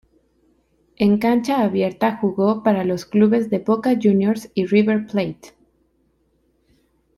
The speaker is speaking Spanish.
En cancha abierta jugó para los clubes de Boca Juniors y River Plate.